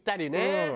うん。